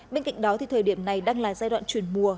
bên cạnh đó thì thời điểm này đang là giai đoạn chuyển mùa